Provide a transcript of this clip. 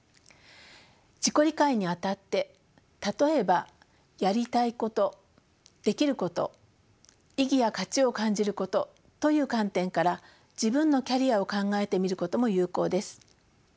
自己理解にあたって例えばやりたいことできること意義や価値を感じることという観点から自分のキャリアを考えてみることも有効です。